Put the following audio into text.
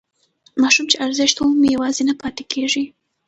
ماشوم چې ارزښت ومومي یوازې نه پاتې کېږي.